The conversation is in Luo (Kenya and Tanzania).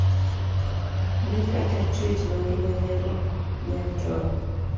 lee kata chuech mangima ne ok nyal tony.